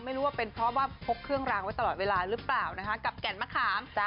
ไม่รู้ว่าเป็นเพราะว่าพกเครื่องรางไว้ตลอดเวลาหรือเปล่านะคะกับแก่นมะขาม